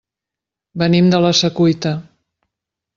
Venim de la Secuita.